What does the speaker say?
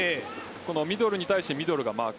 ミドルに対してミドルがマーク。